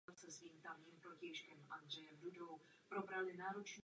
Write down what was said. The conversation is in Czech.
Podle následujícího písm.